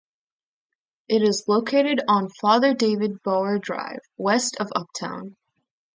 It is located on Father David Bauer Drive, west of Uptown.